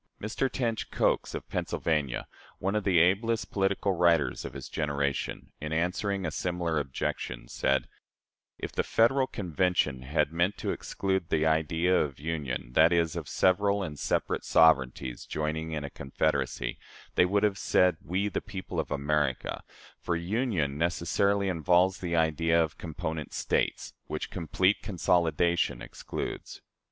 Mr. Tench Coxe, of Pennsylvania, one of the ablest political writers of his generation, in answering a similar objection, said: "If the Federal Convention had meant to exclude the idea of 'union' that is, of several and separate sovereignties joining in a confederacy they would have said, 'We, the people of America'; for union necessarily involves the idea of competent States, which complete consolidation excludes."